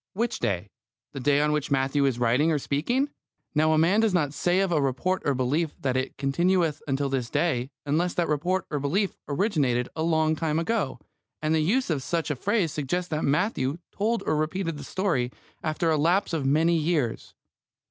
Which day? The day on which Matthew is writing or speaking. Now, a man does not say of a report or belief that it "continueth until this day" unless that report or belief originated a long time ago, and the use of such a phrase suggests that Matthew told or repeated the story after a lapse of many years.